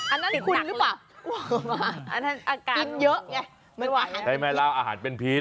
อันนั้นคุณรึเปล่าอวกออกมากินเยอะใช่มั้ยเล่าอาหารเป็นพิษ